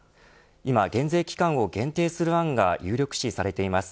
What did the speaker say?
今、減税期間を限定する案が有力視されています。